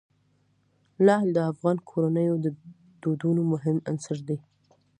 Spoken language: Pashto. لعل د افغان کورنیو د دودونو مهم عنصر دی.